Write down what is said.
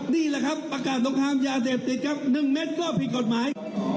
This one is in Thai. นี่แหละครับประกาศสงครามยาเสพติดครับ๑เมตรก็ผิดกฎหมาย